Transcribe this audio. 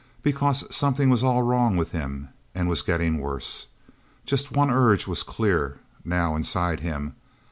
Because something was all wrong with him, and was getting worse. Just one urge was clear, now, inside him.